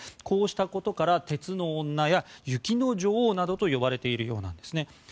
こうしたことから鉄の女や雪の女王などと呼ばれているようなんですね。